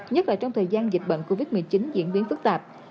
nhất là trong thời gian dịch bệnh covid một mươi chín diễn biến phức tạp